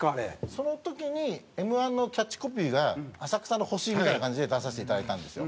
その時にＭ−１のキャッチコピーが「浅草の星」みたいな感じで出させていただいたんですよ。